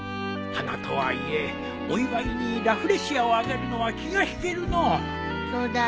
花とはいえお祝いにラフレシアをあげるのは気が引けるのう。